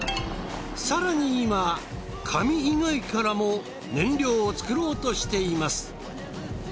更に今紙以外からも燃料を作ろうとしています。